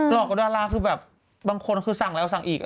หลอกกว่าดาราคือแบบบางคนคือสั่งแล้วสั่งอีก